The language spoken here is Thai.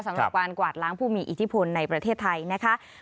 สำหรับการกวาดล้างผู้มีอิทธิพลในประเทศไทยนะคะ